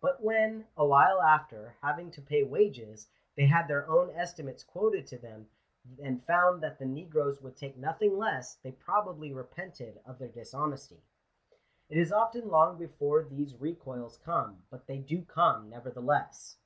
But when, awhile after, having to pay wages, they had their own estimates quoted to them, and found that the negroes would take nothing less, they probably repented of their dis honesty. It is often long before these recoils come ; but they do come, nevertheless.